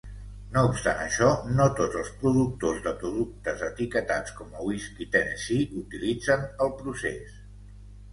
No obstant això, no tots els productors de productes etiquetats com a Whisky Tennessee utilitzen el procés.